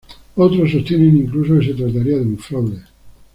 Otros sostienen incluso que se trataría de un fraude.